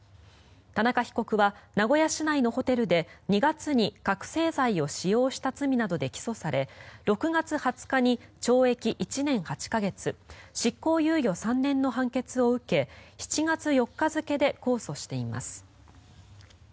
田中被告は名古屋市内のホテルで２月に覚醒剤を使用した罪などで起訴され６月２０日に懲役１年８か月執行猶予３年の判決を受け７月４日付で控訴しています。